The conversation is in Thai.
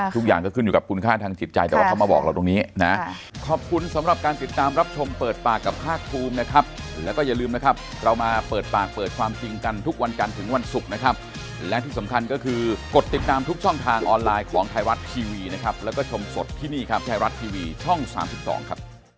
ทุกอย่างก็ขึ้นอยู่กับคุณค่าทางจิตใจแต่ว่าเขามาบอกเราตรงนี้นะ